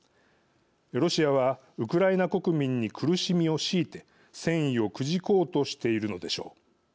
ロシアはウクライナ国民に苦しみを強いて戦意をくじこうとしているのでしょう。